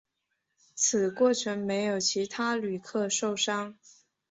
此过程没有其他旅客受伤。